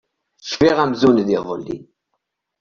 Cfiɣ amzun d iḍelli.